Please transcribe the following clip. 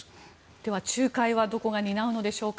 では、仲介はどこが担うのでしょうか。